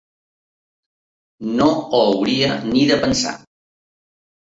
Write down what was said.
No ho hauria ni de pensar.